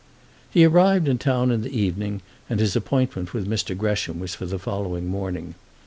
He arrived in town in the evening, and his appointment with Mr. Gresham was for the following morning.